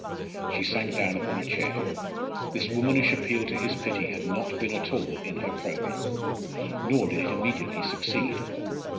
She sank down upon a chair. This womanish appeal to his pity had not been at all in her programme. Nor did it immediately succeed.